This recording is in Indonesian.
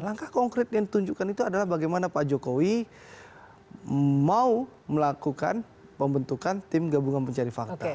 langkah konkret yang ditunjukkan itu adalah bagaimana pak jokowi mau melakukan pembentukan tim gabungan pencari fakta